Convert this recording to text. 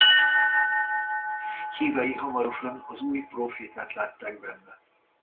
Hívei hamarosan az új prófétát látták benne.